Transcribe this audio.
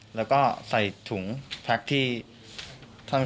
จากนั้นก็จะนำมาพักไว้ที่ห้องพลาสติกไปวางเอาไว้ตามจุดนัดต่าง